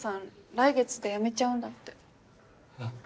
来月で辞めちゃうんだって。え？